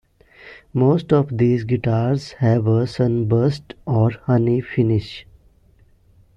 Most of these guitars have a sunburst or honey finish.